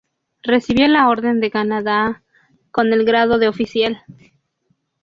Recibió la Orden de Canadá, con el grado de oficial.